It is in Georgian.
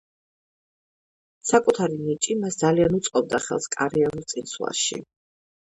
საკუთარი ნიჭი მას ძალიან უწყობდა ხელს კარიერულ წინსვლაში.